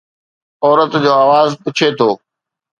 عورت جو آواز پڇي ٿو